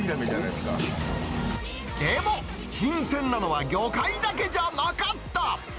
でも、新鮮なのは魚介だけじゃなかった。